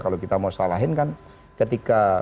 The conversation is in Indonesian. kalau kita mau salahin kan ketika